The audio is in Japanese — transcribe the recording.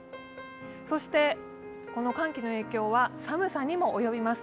そしてこの寒気の影響は寒さにも及びます。